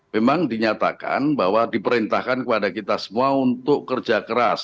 memang dinyatakan bahwa diperintahkan kepada kita semua untuk kerja keras